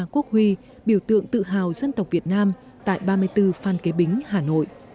quốc huy biểu tượng tự hào dân tộc việt nam tại ba mươi bốn phan kế bính hà nội